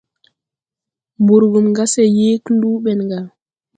Burgum ga se yee kluu ɓen go.